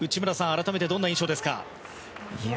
改めてどんな印象ですか？